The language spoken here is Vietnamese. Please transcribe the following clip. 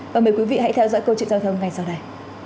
và mời quý vị hãy theo dõi câu chuyện giao thông ngay sau đây